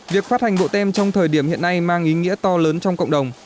việc phát hành bộ tem trong thời điểm hiện nay mang ý nghĩa to lớn trong cộng đồng